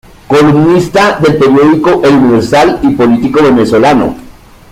Columnista del periódico El Universal y político venezolano.